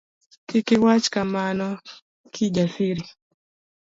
kik iwach kamano Kijasiri.